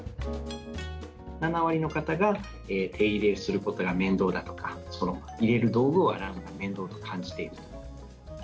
７割の方が手入れすることが面倒だとか、入れる道具を洗うのが面倒と感じていると。